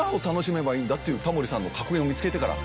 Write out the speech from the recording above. っていうタモリさんの格言を見つけてから。